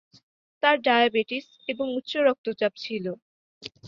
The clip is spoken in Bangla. তার ডায়াবেটিস এবং উচ্চ রক্তচাপ ছিল।